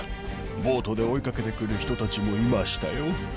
ボートで追いかけてくる人たちもいましたよ。